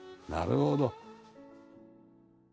なるほど。